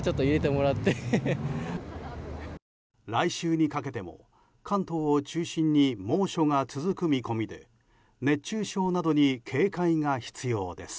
来週にかけても関東を中心に猛暑が続く見込みで熱中症などに警戒が必要です。